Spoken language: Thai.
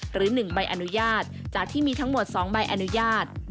หรือ๑ใบอนุญาตจากที่มีทั้งหมด๒ใบอนุญาต